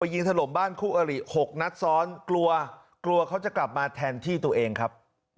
ยิงถล่มบ้านคู่อริ๖นัดซ้อนกลัวกลัวเขาจะกลับมาแทนที่ตัวเองครับ